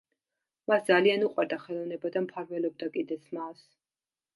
მას ძალიან უყვარდა ხელოვნება და მფარველობდა კიდეც მას.